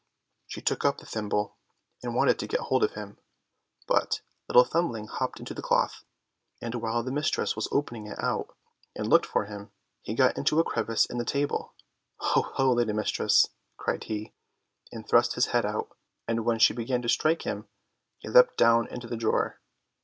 She took up the thimble, and wanted to get hold of him, but little Thumbling hopped into the cloth, and while the mistress was opening it out and looking for him, he got into a crevice in the table. "Ho, ho, lady mistress," cried he, and thrust his head out, and when she began to strike him he leapt down into the drawer.